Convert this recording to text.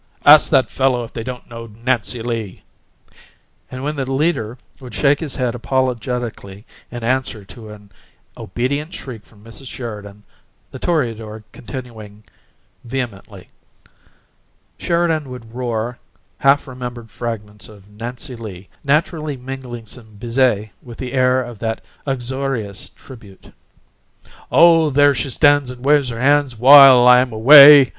"Ask that fellow if they don't know 'Nancy Lee'!" And when the leader would shake his head apologetically in answer to an obedient shriek from Mrs. Sheridan, the "Toreador" continuing vehemently, Sheridan would roar half remembered fragments of "Nancy Lee," naturally mingling some Bizet with the air of that uxorious tribute. "Oh, there she stands and waves her hands while I'm away!